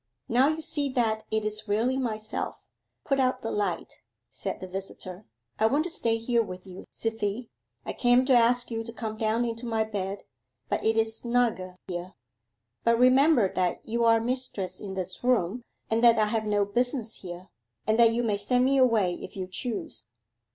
'Now you see that it is really myself; put out the light,' said the visitor. 'I want to stay here with you, Cythie. I came to ask you to come down into my bed, but it is snugger here. But remember that you are mistress in this room, and that I have no business here, and that you may send me away if you choose.